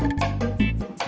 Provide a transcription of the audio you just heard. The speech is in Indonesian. mending beli baru aja